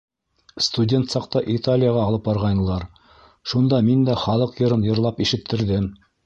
Студент саҡта Италияға алып барғайнылар, шунда мин дә халыҡ йырын йырлап ишеттерҙем.